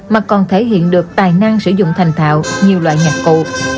mà còn thể hiện được tài năng sử dụng thành thạo nhiều loại nhạc cụ